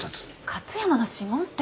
勝山の指紋って。